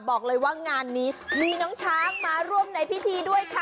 บอกเลยว่างานนี้มีน้องช้างมาร่วมในพิธีด้วยค่ะ